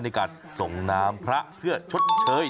ในการส่งน้ำพระเพื่อชดเชย